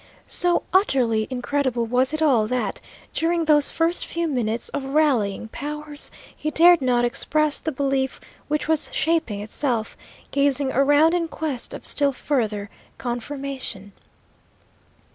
So utterly incredible was it all that, during those first few minutes of rallying powers, he dared not express the belief which was shaping itself, gazing around in quest of still further confirmation.